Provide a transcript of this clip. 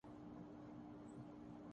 جم Yong Kim دوبارہ World Bank کے صدر منتخب